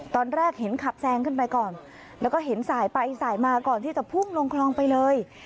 ตอนแรกเห็นขับแซงขึ้นไปก่อนแล้วก็เห็นสายไปสายมาก่อนที่จะพุ่งลงคลองไปเลย